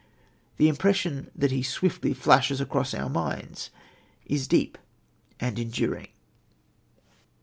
The impression that he swiftly flashes across our minds is deep and enduring.